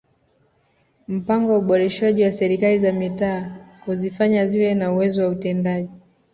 Mpango wa uboreshaji wa Serikali za Mitaa kuzifanya ziwe na uwezo wa utendaji